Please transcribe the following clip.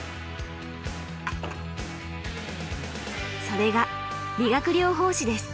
それが理学療法士です。